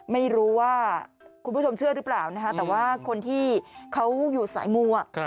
ไม่รู้ว่าคุณผู้ชมเชื่อหรือเปล่านะคะแต่ว่าคนที่เขาอยู่สายมัว